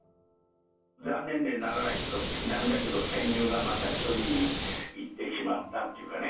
残念でならないっていうか、月並みだけど、戦友がまた一人いってしまったっていうかね。